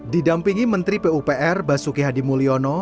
di dampingi menteri pupr basuki hadi mulyono